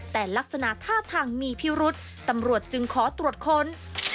แต่ลักษณะท่าทางมีพิรุษตำรวจจึงขอตรวจค้น